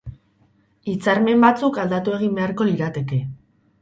Hitzarmen batzuk aldatu egin beharko lirateke.